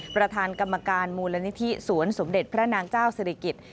ประธานกรรมการมูลนิธิสวนสมเด็จพระนางเจ้าศิริกิจ